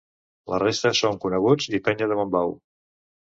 La resta són coneguts i penya de Montbau.